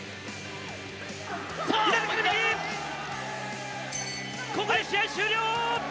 ここで試合終了。